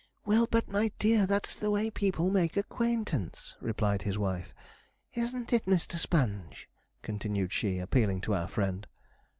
'Well, but, my dear, that's the way people make acquaintance,' replied his wife. 'Isn't it, Mr. Sponge?' continued she, appealing to our friend.